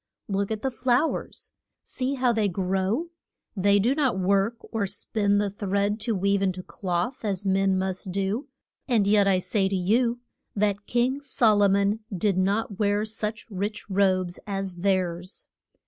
Look at the flow ers. See how they grow. They do not work, or spin the thread to weave in to cloth as men must do, and yet I say to you that King Sol o mon did not wear such rich robes as theirs.